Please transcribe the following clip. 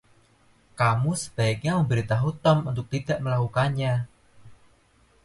Kamu sebaiknya memberitahu Tom untuk tidak melakukannya.